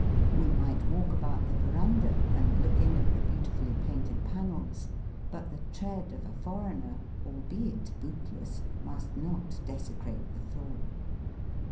We might walk about the verandah and look in at the beautifully painted panels, but the tread of a foreigner, albeit bootless, must not desecrate the floor.